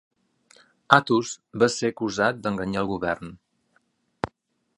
Atos va ser acusat d'enganyar al govern.